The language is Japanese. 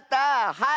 はい！